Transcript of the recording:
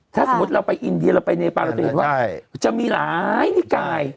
ถ้าสมมุติเราไปอินเดียเราไปเนปาเราจะเห็นว่าจะมีหลายนิกาย